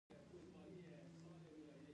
تنوع د افغانستان د طبیعت برخه ده.